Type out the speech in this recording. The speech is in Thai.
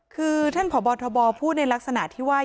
คือท่านพบทบพูดในลักษณะที่ว่า